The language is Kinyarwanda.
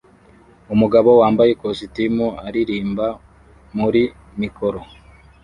Umugabo wambaye ikositimu aririmba muri mikoro